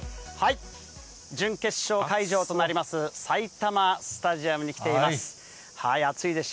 準決勝会場となります、埼玉スタジアムに来ています。